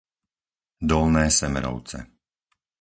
Dolné Semerovce